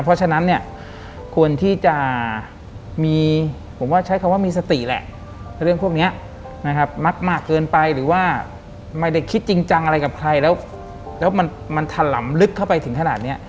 เพราะฉะนั้นควรที่จะมีสติแหละกับเรื่องพวกนี้มีมักมากเกินไปไม่ได้คิดจริงจังอะไรกับใครแล้วมันทำหล่ำลึกเข้าไปถึงขนาดนี้